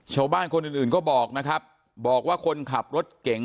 ชาวบ้านคนอื่นอื่นก็บอกนะครับบอกว่าคนขับรถเก่ง